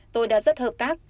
tôi đã rất hợp tác